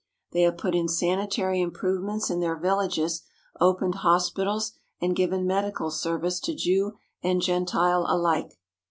They have put in sanitary improvements in their villages, opened hospitals and given medical service to Jew and Gentile 200 THE ZIONIST MOVEMENT alike.